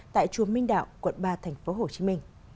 tại chùa minh đạo quận ba tp hcm